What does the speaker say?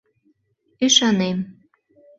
Ӱшанем.